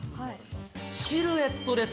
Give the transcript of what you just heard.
シルエットです。